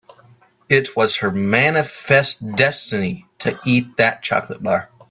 It was her manifest destiny to eat that chocolate bar.